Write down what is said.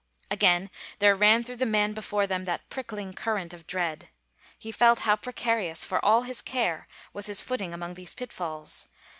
Again there ran through the man before them that prickling current of dread. He felt how precarious, for all his care, was his footing among these pitfalls.